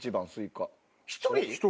１人？